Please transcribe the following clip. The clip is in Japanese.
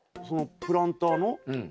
そのプランターの？